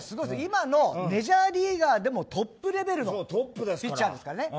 今のメジャーリーガーでもトップレベルのピッチャーですからね。